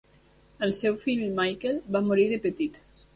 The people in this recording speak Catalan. El seu fill Michael va morir de petit.